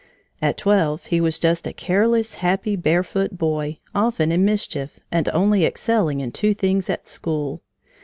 At twelve he was just a careless, happy, barefoot boy, often in mischief, and only excelling in two things at school.